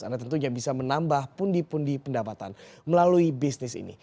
anda tentunya bisa menambah pundi pundi pendapatan melalui bisnis ini